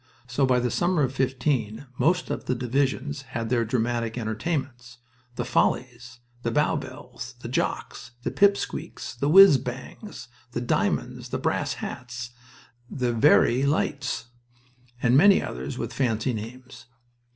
So by the summer of '15 most of the divisions had their dramatic entertainments: "The Follies," "The Bow Bells," "The Jocks," "The Pip Squeaks," "The Whizz Bangs," "The Diamonds," "The Brass Hats," "The Verey Lights," and many others with fancy names.